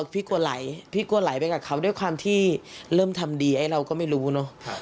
พี่กลัวไหลพี่กลัวไหลไปกับเขาด้วยความที่เริ่มทำดีไอ้เราก็ไม่รู้เนอะ